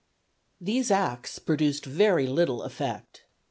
These Acts produced very little effect.